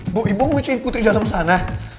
ibu ibu ngunciin putri di dalam sana